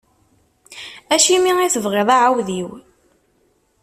Acimi i tebɣiḍ aɛewdiw?